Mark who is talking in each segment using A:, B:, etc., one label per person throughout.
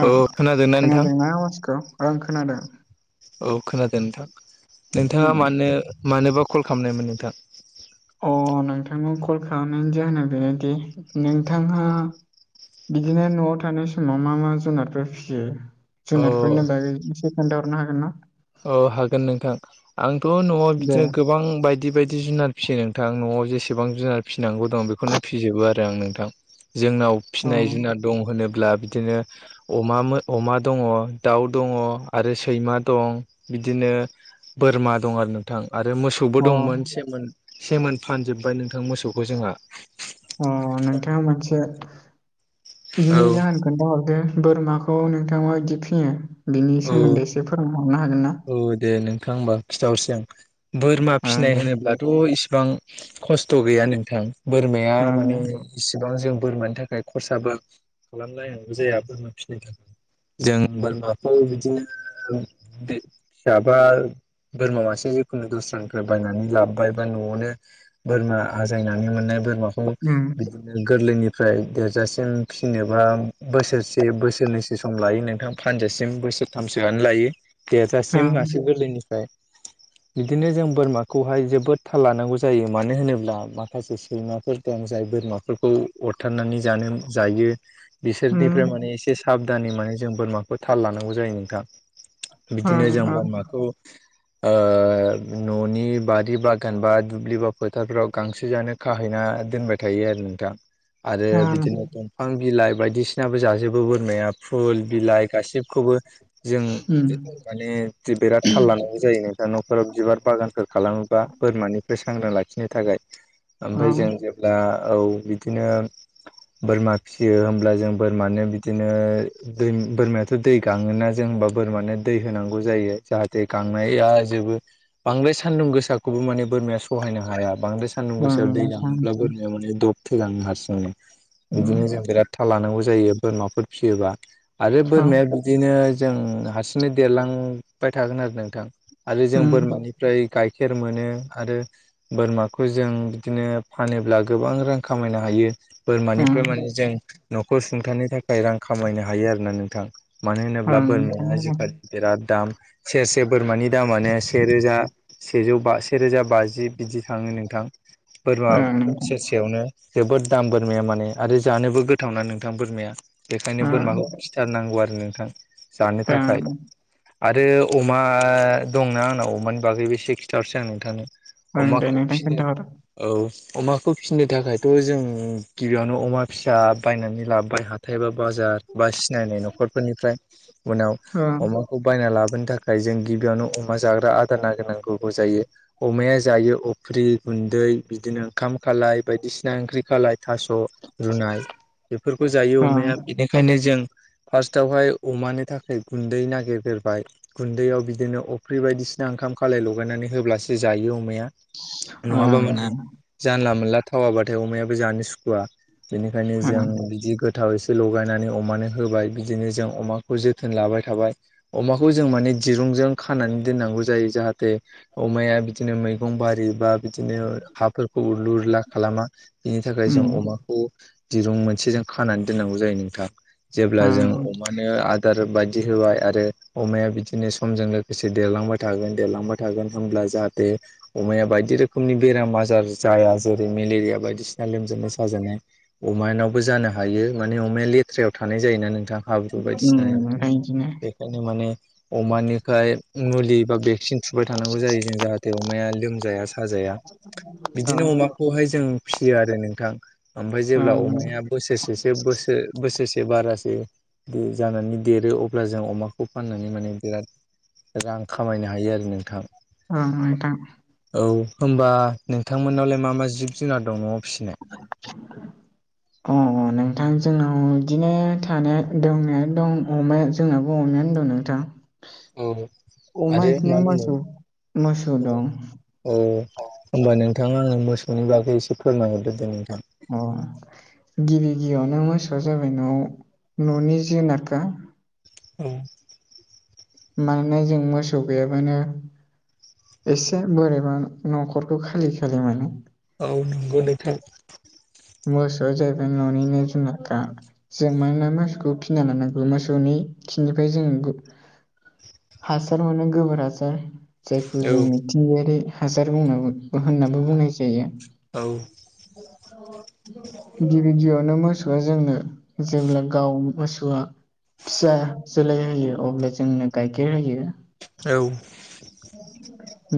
A: ओ
B: औ खोनादोंना नोंथां
A: खोनादों ना आवाजखौ ओ खोनादों
B: औ खोनादों नोंथां नोंथाङा
A: उम
B: मानो मानोबा कल खालामनायमोन नोंथां
A: अ नोंथांनाव कल खालामनायनि जाहोना बेनोदि नोंथाङा बिदिनो न'आव थानाय समाव मा मा जुनारफोर फियो
B: औ
A: जुनारफोरनि बागै एसे खोन्थाहरनो हागोन ना?
B: औ हागोन नोंथां आंथ' न'आव
A: दे
B: बिदिनो गोबां बायदि बायदि जुनार फिसियो नोंथां न'आव जेसेबां जुनार फिसिनांगौ दं बेखौनो फिजोबो आरो आं नोंथां जोंनाव
A: अ
B: फिसिनाय जुनाद दं होनोब्ला बिदिनो अमा अमा दङ दाउ दङ आरो सैमा दं बिदिनो बोरमा दं आरो नोंथां आरो मोसौबो
A: अ
B: दंमोन सिमोन सिमोन फानजोबबाय नोंथां मोसौखौ जोंहा
A: अ नोंथाङा मोनसे
B: औ
A: बिनि जाहोन खोन्थाहरदो बोरमाखौ नोंथाङा बिदि फिसियो बिनि
B: औ
A: सोमोन्दै एसे फोरोंना हरनो हागोन ना
B: औ दे नोंथां होमबा खिन्थानिसै [unintelligible] आं बोरमा
A: ओं
B: फिनाय
A: दे
B: होनोब्लाथ' इसिबां खस्थ' गैया नोंथां बोरमाया
A: ओं
B: माने
A: दे
B: इसिबां जों बोरमानि थाखाय खरसाबो खालामलायनांगौ जाया बोरमा फिसिनो थाखाय जों बोरमाखौ बिदिनो [unintelligible] फिसिबा बोरमा मासे जिखुनु दस्रानिफ्राय बायनानै लाबोबाय बा न'आवनो बोरमा आजायनानै मोननाय बोरमाखौ
A: उम
B: बिदिनो गोरलैनिफ्राय देरजासिम फिसिनोबा बोसोरसे बोसोरनैसो सम लायो नोंथां फानजासिम बोसोरथामसोआनो लायो देरजासिम
A: ओं
B: मासे गोरलैनिफ्राय
A: [inaudible]
B: बिदिनो जों बोरमाखौहाय जोबोद थाल लानांगौ जायो मानो होनोब्ला माखासे सैमाफोर दं जाय बोरमाफोरखौ अरथारनानै जानो जायो
A: उम
B: बिसोरनिफ्राय माने एसे साबधानै माने जों बोरमाखौ थाल लानांगौ जायो नोंथां बिदिनो
A: ओं
B: जों
A: ओं
B: बोरमाखौ न'नि बारि बागान बा दुब्लि बा फोथारफ्राव गांसो जानो खाहैना दोनबाय थायो आरो आरो
A: ओं
B: बिदिनो दंफां बिलाइ बायदिसिनाबो जाजोबो बोरमाया फुल बिलाइ गासिबखौबो जों
A: उम
B: माने बिराद थाल लानांगौ जायो नोंथां न'खराव बिबार बागानफोर खालामोबा बोरमानिफ्राय सांग्रां लाखिनो थाखाय ओमफ्राय
A: ओं
B: जों जेब्ला औ बिदिनो बोरमा फिसियो होमब्ला जों बोरमानो बिदिनो दै बोरमाया दै गाङोना जों होनबा बोरमानो दै होनांगौ जायो जाहाथे गांनाया जेबो बांद्राय सान्दुं गोसाखौबो माने बोरमाया सहायनो हाया बांद्राय सान्दुं
A: ओं
B: गोसायाव दै गाङोब्ला
A: दे
B: बोरमाया माने दब थैलाङो हारसिं नो बिदिनो जों बिराद था लानांगौ जायो बोरमाफोर फिसियोबा आरो बोरमाया बिदिनो जों हारसिंनो देरलांबाय थागोन आरो नोंथां आरो जों बोरमानिफ्राय गाइखेर मोनो आरो बोरमाखौ जों बिदिनो फानोब्ला गोबां रां खामायनो हायो बोरमानिफ्राय माने जों न'खौ सुंथानो थाखाय रां खामायनो हायो आरोोना नोंथां मानो होनोब्ला बोरमाया आजिखालि बिराद दाम सेरसे बोरमानि दामानो सेरोजा सेजौ बा सेरोजा बाजि बिदि थाङो नोंथां बोरमा स फयावनो जोबोद दाम बोरमाया माने आरो जानोबो गोथावना नोंथां बोरमाया बेखायनो बोरमाखौ खिथारनांगौ आरो नोंथां जानो थाखाय आरो अमा दंना आंनाव अमानि बागैबो सिक्सटारसै आं नोंथांनो अमाखौ
A: नोंथां
B: फिनो
A: खोन्थाहर
B: औ अमाखौ फिनो थाखायथ' जों गिबियावनो अमा फिसा बायनानै लाबाय हाथ थथायबा बाजार बा सिनायनाय न'खरफोरनिफ्राय उनाव
A: ओं
B: अमा खौ बायना लाबोनो थाखाय जों गिबियावनो अमा जाग्रा आदार नागिरनांगौ जायो अमाया जायो अफ्रि गुन्दै बिदिनो ओंखाम खालाय बायदिसिना ओंख्रि खालाय थास' रुनाय बेफोरखौ जायो
A: ओं
B: अमाया बेनिखायनो जों फार्स्टआवहाय अमानि थाखाय गुन्दै नागिरग्रोबाय गुन्दैयाव बिदिनो अफ्रि बायदिसिना ओंखाम खालाय लगायनानै होब्लासो जायो अमाया नङाबा
A: ओं
B: माने
A: ओं
B: जानला मोनला थावाबाथाय अमायाबो जानो सुखुवा बेनिखायनो जों बिदि गोथाव एसे लगायनानै अमानो होबाय बिदिनो जों अमाखौ जोथोन लाबाय थाबाय अमाखौ जों माने दिरुंजों खानानै दोननांगौ जायो जाहाथे अमाया बिदिनो मैगं बारि बा बिदिनो हाफोरखौ उरलु उरला खालामा बिनि थाखाय जों
A: उम
B: अमा दिरुं मोनसे जों खानानै दोननांगौ जायो नोंथां जेब्ला
A: ओं
B: जों अम आदार बायदि होबाय आरो अमाया बिदिनो समजों लोगोसे देलांबाय थागोन दांबाय थ थागोन हब्ला जाहाथे अमाया बायदि रोखोमनि बेराम आजार जाया जेरै मेलेरिया बायदिसिना लोमजानाय साजेननाय अमानावबो जानो हायो माने अमाया लेथ्रायाव थानाय जायोना नोंथां हाब्रु
A: उम
B: बायदिसिना
A: ओमफ्राय इदिनो
B: [unintelligible] बेखायनो माने अमानिफ्रायाय मुलि बा भेक्सिन थुबाय थानांगौ जायो जों जाहाथे अमाया लोमजाया साजाया बिदिनो
A: औ
B: अमाखौहाय जों फिसियो आरो नोंथां ओमफ्राय जेब्ला
A: ओं
B: अमाया बोसोरसेसो बोसोर बोसोरसे बारासे जानानै देरो अब्ला जों अमाखौ खौ फाननानै माने बिराद रां खामायनो हायो आरो नोंथां
A: ओं नोंथां
B: औ होनोमबा नोंथांमोननावलाय मा मा जिब जुनार दं न'आव फिसिनाय
A: [inaudible] अ अ नोंथां जोंनाव बिदिनो थानाया दंनाया दं अमाया जोंनाबो अमायानो दं नों
B: औ
A: अमा
B: आरो
A: बिदिनो
B: मा
A: मोसौ मोसौ दं
B: अ होमबा नोंथां आङो मोसौनि बागै एसे फोरमायहरदोदों नोंथां
A: अ गिबि गिबियावनो मोसौआ जाबाय न'आव न'नि जुनारखा
B: औ
A: मानोना जों मोसौ गैयाबानो एसे बोरैबा न'खरखौ खालि खालि मोनो
B: औ नंगौ नोंथां
A: मोसौआ जाहैबाय न'निनो जुनारखा जों मानोना मोसौखौ फिना लानांगौ मोसौनि खिननिफ्राय जों हासार मोनो गोबोर हासार जायखौ
B: औ
A: जों मिथिंगायारि हासार बुङो जों होननाबो बुंनाय जायो
B: औ
A: [inaudible] गिबि गिबियावनो मोसौआ जोंनो जेब्ला गाव मोसौआ फिसा जोलै होयो अब्ला जोंनो गाइखेर होयो
B: औ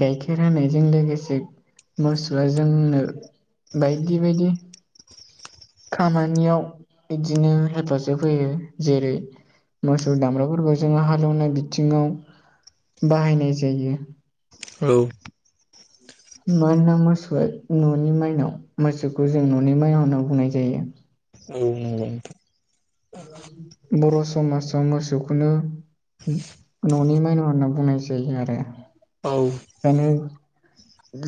A: गाइखेर होनायजों लोगोसे मोसौआ जोंनो बायदि बायदि खामानियाव बिदिनो हेफाजाब होयो जेरै मोसौ दामब्राफोरखौ जोङो हालेवनाय बिथिङाव बाहायनाय जायो
B: औ
A: मानोना मोसौआ न'नि माइनाव मोसौखौ जों न'नि माइनाव होनाव बुंनाय जायो
B: औ [unintelligible]
A: बर' समाजाव मोसौखौनो न'नि माइनाव होनना बुंनाय जायो आरो
B: औ
A: खायनो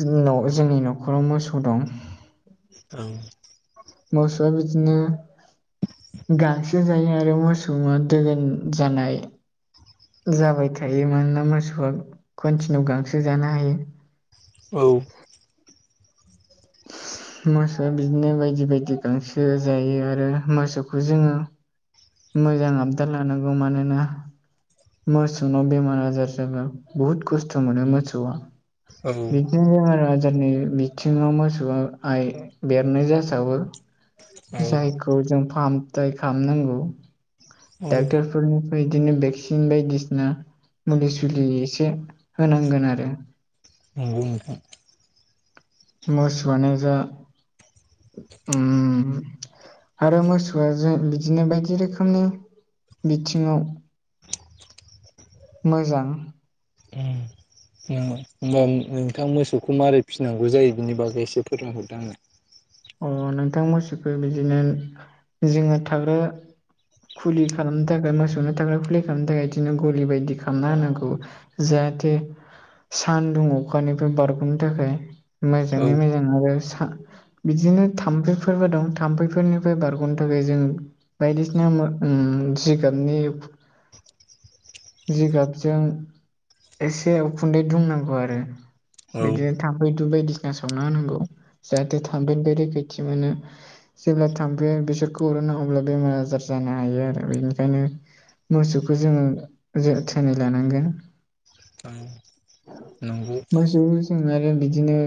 A: जोंनाव जोंनि न'खराव मोसौ दं
B: औ
A: मोसौआ बिदिनो गांसो जायो आरो मोस [unintelligible] दोगोन जानाय जाबाय थायो मानोना मोसौआ कन्टिनिउ गांसो जानो हायो
B: औ
A: मोसौआ बिदिनो बायदि बायदि गांसो जायो आरो मोसौखौ जोङो मोजां आबदाल लानांगौ मानोना मोसौनाव बेमार आजार जाबा बुहुद खस्थ' मोनो मोसौआ
B: औ
A: [unintelligible] बेमार आजारनि बिथिङाव मोसौआ आइ बेरनाय जासावो जायखौ जों फाहाम खालामनांगौ डाक्टार फोरनिफ्राय बिदिनो भेक्सिन बायदिसिना मुलि सुलि एसे होनांगोन आरो
B: नंगौ नोंथां
A: मोसौआनो जा उम आरो मोसौआ जों बिदिनो बायदि रोखोमनि बिथिङाव मोजां [inaudible]
B: होनोमबा नोंथां मोसौखौ मारै फिसिनांगौ जायो बिनि बागै एसे फोरोंहरदो आंनो
A: अ नोंथां मोसौखौ बिदिनो जोङो थाग्रा खुलि खालामनो थाखाय मोसौनो थाखाय खुलि खालामनो थाखाय बिदिनो गलि बायदि खालामना होनांगौ जाहाथे सानदुं अखानिफ्राय बारग'नो थाखाय
B: औ
A: मोजाङै मोजां आरो बिदिनो थाम्फैफोरबो दं थाम्फैफोरनिफ्राय बारग'नो थाखाय जों बायदिसिना उम जिगाबनि जिगाबजों एसे उखुन्दै दुंनांगौ आरो
B: औ
A: बिदिनो थामफै धुप बायदिसिना सावना होनांगौ जाहाथे थामफैनिफाय रैखाैथि मोनो जेब्ला थामफै बेसोरखौ अरोनो अब्ला बेमार आजार जानो हायो आरो बेनिखायनो मोसौखौ जोङो जोथोनै लानांगोन
B: [unintelligible] नंगौ
A: मोसौखौ आरो बिदिनो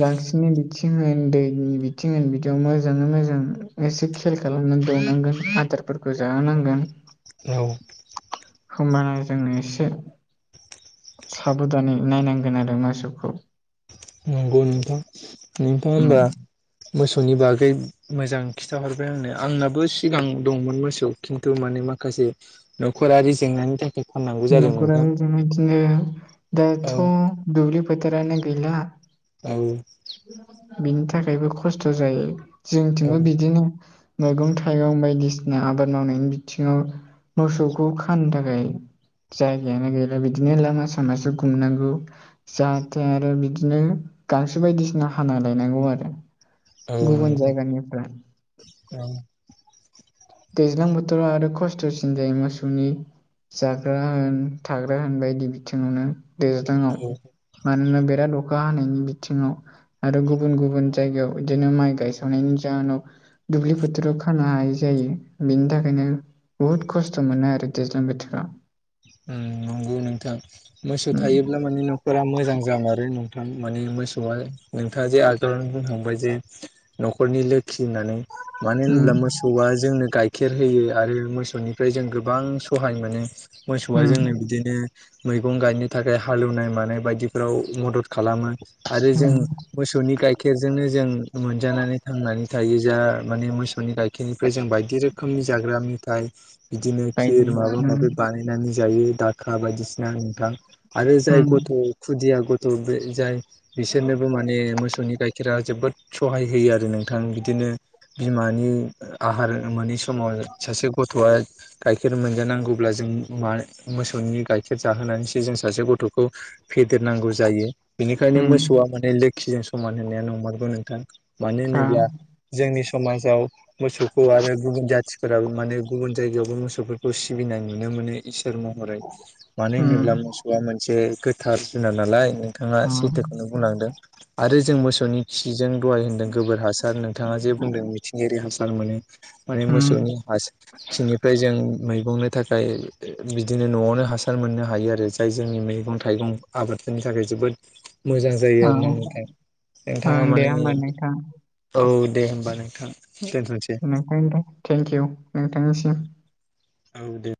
A: गांसोनि बि थिं होन दैनि बिथिं होन बिदियाव मोजाङै मोजां एसे खेल खालामनानै दौनांगोन आदार फोरखौ जाहोनांगोन
B: औ
A: होनबाना जोंनो एसे साबोदानै नायनांगोन आरो मोसौखौ
B: नंगौ नोंथां नोंथाङा होनबा मोसौनि बागै मोजां खिन्थाहरबाय आंनो आंनाबो सिगां दंमोन मोसौ खिन्थु माने माखासे नखरारि जेंनानि थाखाय फाननांगौ जादों नोंथां
A: न'खराबो जोंना इदिनो
B: औ
A: दाथ' दुब्लि फोथारानो गैला
B: औ
A: बिनि थाखायबो खस्थ' जायो
B: औ
A: जोंथिंबो बिदिनो मैगं थाइगं बायदिसिना आबाद मावनायनि बिथिङाव मोसौखौ खानो थाखाय जायगायानो गैला बिदिनो लामा सामासो गुमनांगौ जाहाथे आरो बिदिनो गांसो बायदिसिना हाना लायनांगौ आरो
B: औ
A: गुबुन
B: नंगौ
A: जायगानिफ्राय
B: औ
A: दैज्लां बोथोराव आरो खस्थ'सिन जायो मोसौनि जाग्रा होन थाग्रा होन बायदि बिथिङावनो दैज्लाङाव मानोना बेराद अखा हानायनि बिथिङाव आरो गुबुन गुबुन जायगायाव बिदिनो माइ गायसावनायनि जाहोनाव दुब्लि फोथोराव खानो हायि जायो बिनि थाखायनो बुहुद खस्थ' मोनो आरो दैज्लां बोथोराव
B: नंगौ नोंथां मोसौ
A: उम
B: थायोब्ला माने न'खरा मोजां जामारो नोंथां माने मोसौआ नोंथाङा जे आगोलावनो बुंखांबाय जे न'खरनि लोखि होननानै मानो होनब्ला
A: उम
B: मोसौआ जोंनो गाइखेर होयो आरो मोसौनिफ्राय जों गोबां सहाय मोनो मोसौआ जोंनो
A: उम
B: बिदिनो मैगं गायनो थाखाय हालेवनाय मानाय बायदिफोराव मदद खालामो आरो जों
A: उम
B: मोसौनि गाइखेरजोंनो जों मोनजानानै थांनानै थायो जा माने मोसौनि गाइखेरनिफ्राय जों बायदि रोखोम खोमनि जाग्रा मेथाइ बिदिनो खिर
A: बायदि
B: माबा
A: उम
B: माबि बानायनानै जायो दाखा बायदिसिना नोंथां आरो जाय
A: उम
B: गथ' खुदिया गथ' जाय बिसोरनोबो माने मोसौनि गाय खेरा जोबोद सहाय होयो आरो नोंथां बिदिनो बिमानि आहार मोनि समाव सासे गथ'आ गाइखेर मोनजानांगौ ब्ला जों मा मोसौनि गाइखेर जाहोनानैसो जों सासे गथ'खौ फेदेरनांगौ जायो बेनिखायनो
A: उम
B: मोसौआ माने लोखिजों समान होनाया नंमारगौ नोंथां मानो
A: ओ
B: होनोब्ला जोंनि समाजाव मोसौखौ आरो गुबुन जाथिफोराबो माने गुबुन जायगायावबो मोसौफोरखौ सिबिनाय नुनो मोनो इसोर महरै मानो होनोब्ला
A: उम
B: मोसौआ मोनसे गोथार जुनार नालाय नोंथाङा
A: अ
B: सैथोखौनो बुंनांदों आरो जों मोसौनि खिजों दहाय होनदों गोबोर हासार नोंथाङा जे बुंदों मिथिंगायारि हासार मोनो माने
A: उम
B: मोसौनि हा खिनिफ्राय जों मैगंनो थाखाय बिदिनो न'आवनो हासार मोननो हायो आरो जाय जोंनि मैगं थाइगं आबादफोरनि थाखाय जोबोद मोजां जायो
A: अ
B: आरोना नोंथां नोंथाङा
A: ओं दे
B: माने
A: होमबा नोंथां
B: औ दे होमबा नोंथां दोनथ'सै
A: नोंथांनो दा थेंक इउ नोंथांनिसिम
B: औ दे